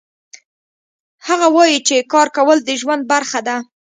هغه وایي چې کار کول د ژوند برخه ده